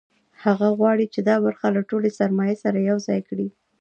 هغه غواړي چې دا برخه له ټولې سرمایې سره یوځای کړي